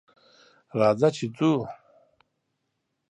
راځه ! چې ځو.